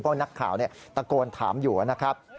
เพราะนักข่าวตะโกนถามอยู่นะครับ